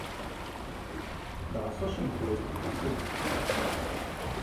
Дгӏасышвымтуазтын – сыдзтӏ.